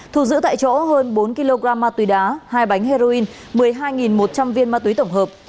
thu giữ tại chỗ hơn bốn kg ma túy đá hai bánh heroin một mươi hai một trăm linh viên ma túy tổng hợp